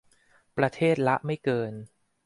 ประเทศละไม่เกิน